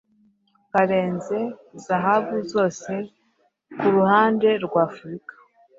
karenze Zahabu zose kuruhande rwa Afrika.